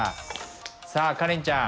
さあカレンちゃん